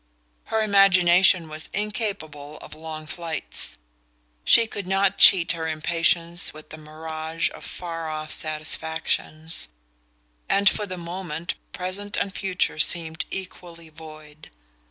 Her imagination was incapable of long flights. She could not cheat her impatience with the mirage of far off satisfactions, and for the moment present and future seemed equally void.